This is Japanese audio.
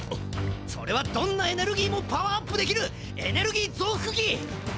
それはどんなエネルギーもパワーアップできるエネルギーぞうふくき！